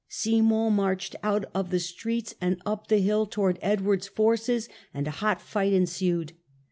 Simon marched out of the streets and up the hill towards Edward's forces, and a hot fight ensued.